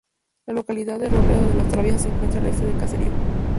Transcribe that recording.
La localidad de Robledo de las Traviesas se encuentra al este del caserío.